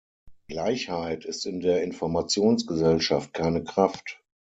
Gleichheit ist in der Informationsgesellschaft keine Kraft.